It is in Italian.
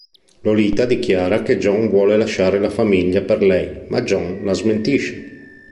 Lolita dichiara che John vuole lasciare la famiglia per lei, ma John la smentisce.